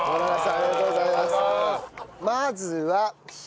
ありがとうございます。